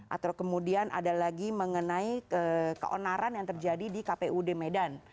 atau kemudian ada lagi mengenai keonaran yang terjadi di kpud medan